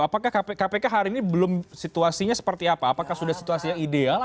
apakah kpk hari ini belum situasinya seperti apa apakah sudah situasinya ideal